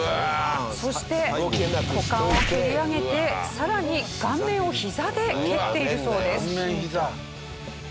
そして股間を蹴り上げてさらに顔面をひざで蹴っているそうです。